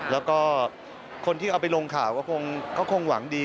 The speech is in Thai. แล้วก็คนที่เอาไปลงข่าวก็คงหวังดี